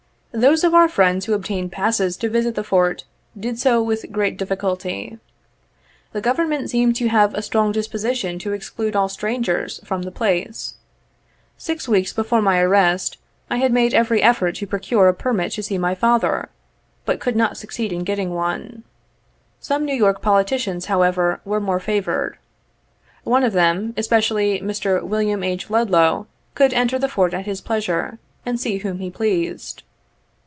Those of our friends who obtained passes to visit the Fort, did so with great difficulty. The government seemed to have a strong disposition to exclude all strangers from the place. Six weeks before my arrest, I had made every effort to procure a permit to see my father, but could not succeed in getting one. Some New York politicians, however, were more favored. One of them, especially, Mr. William H. Ludlow, could enter the Fort at his pleasure, and see whom he pleased.